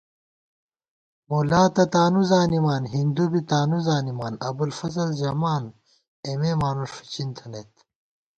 مُلا تہ تانُو زانِمان ہِندُو بی تانُو زانِمان ابُوالفضل ژَمان اېمےمانُݭفِچِن تھنَئیت